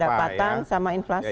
pendapatan sama inflasi